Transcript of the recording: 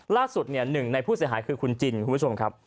หนึ่งในผู้เสียหายคือคุณจินคุณผู้ชมครับ